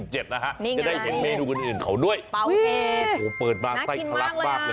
จะได้เห็นเมนูอื่นเขาด้วยโอ้โหเปิดมาไส้ทะลักมากเลย